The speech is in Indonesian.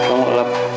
nih kamu elap